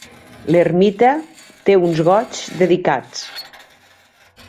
L'ermita té uns goigs dedicats.